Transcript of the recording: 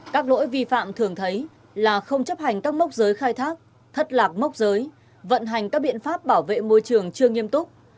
các lỗi vi phạm thường thấy là không chấp hành các mốc giới khai thác thất lạc mốc giới vận hành các biện pháp bảo vệ môi trường chưa nghiêm túc